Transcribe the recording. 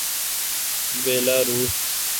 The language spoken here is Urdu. بیلاروس